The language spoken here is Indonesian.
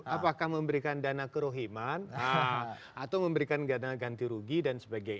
apakah memberikan dana kerohiman atau memberikan dana ganti rugi dan sebagainya